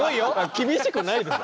厳しくないでしょ。